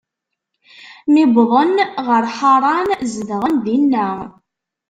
Mi wwḍen ɣer Ḥaṛan, zedɣen dinna.